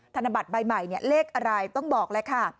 ธนบัตรใบใหม่เนี่ยเลขอะไรต้องบอกแหละค่ะ